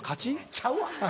ちゃうわ。